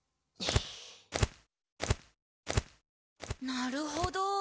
なるほど。